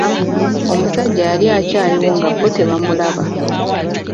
Omusajja yali akyaliwo nga bo tebamulaba.